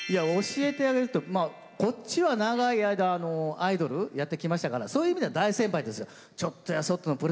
「教えてあげる」ってまあこっちは長い間アイドルやってきましたからそういう意味では大先輩ですよ。